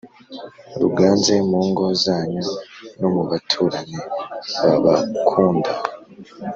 ruganze mu ngo zanyu no mubaturanyu babakunda